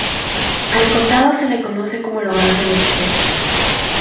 Al condado se le conoce como el hogar de los She.